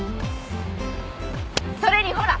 それにほら！